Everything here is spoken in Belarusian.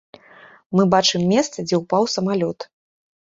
Мы бачым месца, дзе ўпаў самалёт.